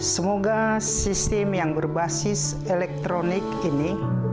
semoga sistem yang berbasis elektronik ini